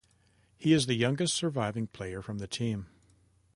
He is the youngest surviving player from the team.